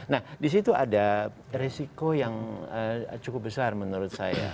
nah di situ ada resiko yang cukup besar menurut saya